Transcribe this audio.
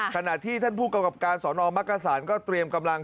ขณะที่ท่านผู้กำกับการสอนอมักกษานก็เตรียมกำลัง